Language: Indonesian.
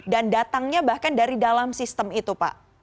dan datangnya bahkan dari dalam sistem itu pak